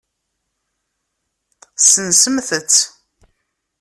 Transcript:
Sensemt-t.